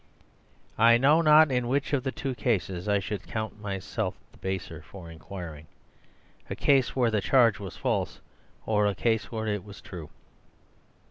I know not in which of the two cases I should count myself the baser for inquiring a case where the charge was false or a case where it was true.